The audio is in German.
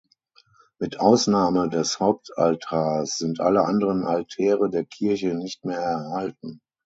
Mit Ausnahme des Hauptaltars sind alle anderen Altäre der Kirche nicht mehr erhalten.